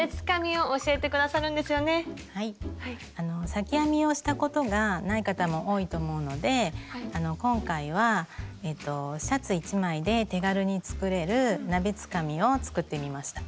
裂き編みをしたことがない方も多いと思うのであの今回はシャツ１枚で手軽に作れる鍋つかみを作ってみました。